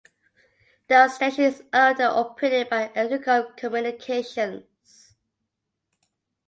The station is owned and operated by Entercom Communications.